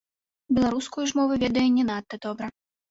Беларускую ж мову ведае не надта добра.